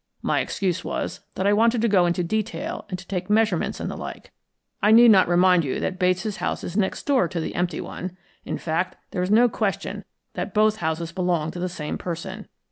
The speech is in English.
My excuse was that I wanted to go into detail and to take measurements and the like. I need not remind you that Bates' house is next door to the empty one. In fact, there is no question that both houses belong to the same person.